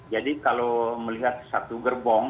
jadi kalau melihat satu gerbong